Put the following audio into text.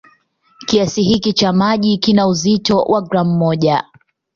Kiasi hiki cha maji kina uzito wa gramu moja.